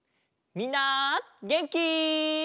みんなげんき？